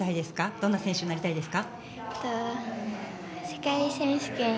どんな選手になりたいですか？